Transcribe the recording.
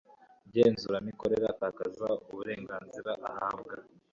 ngenzuramikorere atakaza uburenganzira ahabwa